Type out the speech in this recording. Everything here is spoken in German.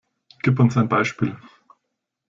Gib uns ein Beispiel!